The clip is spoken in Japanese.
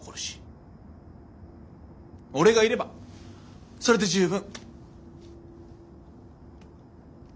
俺がいればそれで十分！